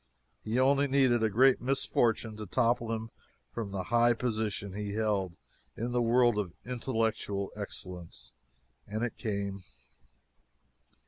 He only needed a great misfortune to topple him from the high position he held in the world of intellectual excellence, and it came.